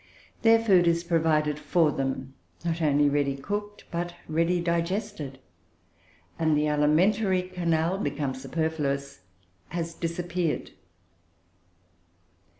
Their food is provided for them, not only ready cooked, but ready digested, and the alimentary canal, become superfluous, has disappeared.